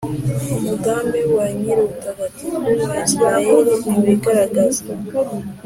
Umugambi wa Nyirubutagatifu wa Israheli niwigaragaze,